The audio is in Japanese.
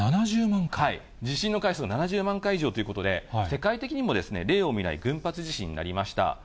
地震の回数が７０万回以上ということで、世界的にも例を見ない群発地震になりました。